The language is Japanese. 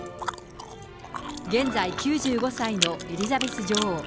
現在、９５歳のエリザベス女王。